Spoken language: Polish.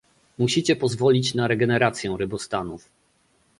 Musicie pozwolić na regenerację rybostanów